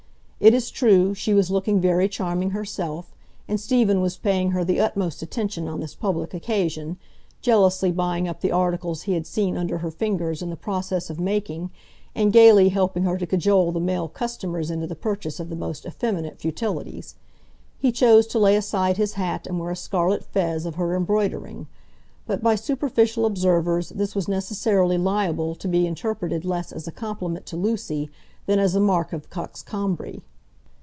It is true, she was looking very charming herself, and Stephen was paying her the utmost attention on this public occasion; jealously buying up the articles he had seen under her fingers in the process of making, and gayly helping her to cajole the male customers into the purchase of the most effeminate futilities. He chose to lay aside his hat and wear a scarlet fez of her embroidering; but by superficial observers this was necessarily liable to be interpreted less as a compliment to Lucy than as a mark of coxcombry.